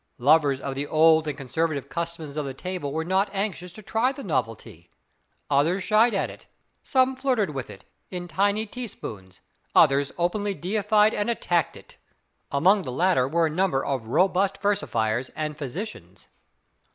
Lovers of the old and conservative customs of the table were not anxious to try the novelty. Others shied at it; some flirted with it, in tiny teaspoonfuls; others openly defied and attacked it. Among the latter were a number of robust versifiers and physicians.